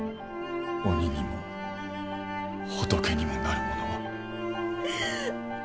鬼にも仏にもなる者は。